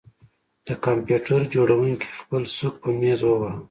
د کمپیوټر جوړونکي خپل سوک په میز وواهه